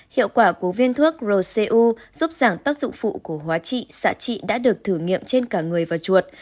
hiệu quả của viên thuốc rcu giúp giảm tác dụng phụ của hóa trị xạ trị đã được thử nghiệm trên cả người và chuột